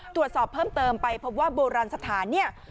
ตรวจสอบเพิ่มเติมไปพบว่าโบราณสถานเนี่ย